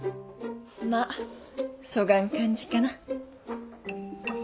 まあそがん感じかな。